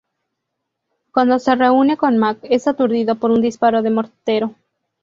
Cuando se reúne con Mac, es aturdido por un disparo de mortero.